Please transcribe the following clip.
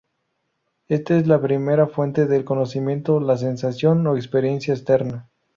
Ésta es la primera fuente del conocimiento, la sensación o experiencia externa.